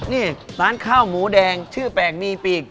นี่ร้านข้าวหมูแดงชื่อแปลกนีปีก